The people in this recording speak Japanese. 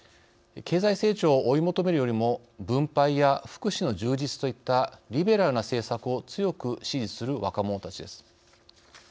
経済成長を追い求めるよりも分配や福祉の充実といったリベラルな政策を強く支持する若者たちです。